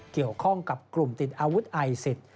เกี่ยวข้องกับกลุ่มติดอาวุธไอซิส